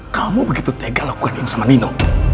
kamu begitu tega lakukan ini sama nino